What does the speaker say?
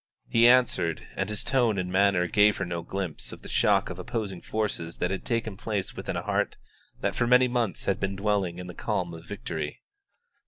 He answered, and his tone and manner gave her no glimpse of the shock of opposing forces that had taken place within a heart that for many months had been dwelling in the calm of victory.